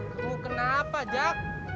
kamu kenapa jak